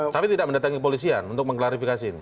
tapi tidak mendatangi kepolisian untuk mengklarifikasi